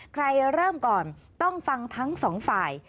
ใครเริ่มก่อนต้องฟังทั้งสองฝ่าย